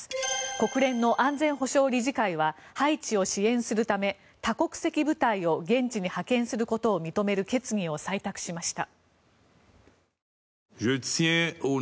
国連の安全保障理事会はハイチを支援するため多国籍部隊を現地に派遣することを認める決議を採択しました。